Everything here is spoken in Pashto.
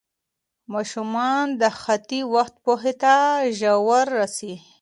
ماشومان د خطي وخت پوهې ته ژر رسي.